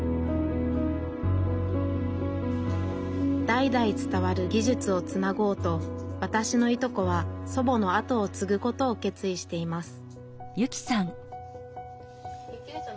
代々伝わる技術をつなごうとわたしのいとこは祖母の後を継ぐことを決意しています